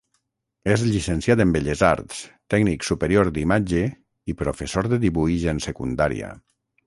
És llicenciat en Belles arts, Tècnic Superior d'Imatge i professor de dibuix en Secundària.